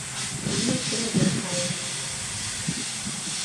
Лина чеверген кайыш.